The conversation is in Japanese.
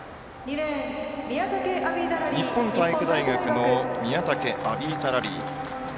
日本体育大学の宮武アビーダラリーです。